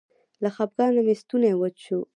له خپګانه مې ستونی وچ شو.